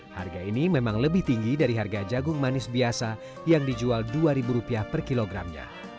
harga ini memang lebih tinggi dari harga jagung manis biasa yang dijual rp dua per kilogramnya